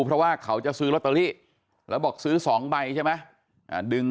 เพราะว่าเขาจะซื้อลอตเตอรี่แล้วบอกซื้อ๒ใบใช่ไหม